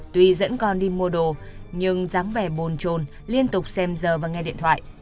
tuy dẫn con đi mua đồ nhưng dáng vẻ bồn trồn liên tục xem giờ và nghe điện thoại